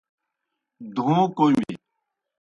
دھوں کوْمیْ۔